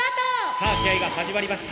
さあ試合が始まりました。